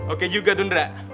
oke juga dundra